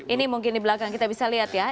ini mungkin di belakang kita bisa lihat ya